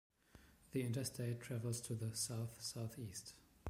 The interstate travels to the south-southeast.